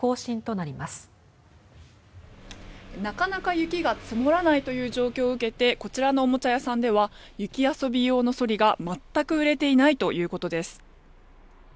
なかなか雪が積もらないという状況を受けてこちらのおもちゃ屋さんでは雪遊び用のそりが全く売れていないということです。